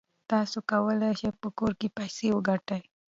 تاسو کولای شئ په کور کې پیسې وګټئ.